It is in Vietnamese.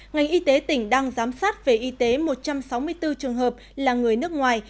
ngành y tế tỉnh đang giám sát về y tế một trăm sáu mươi bốn trường hợp là người nước ngoài